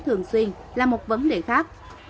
thường xuyên là một vấn đề khác